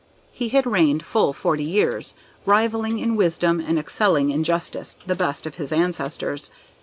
He had reigned full forty years, rivalling in wisdom, and excelling in justice the best of his ancestors.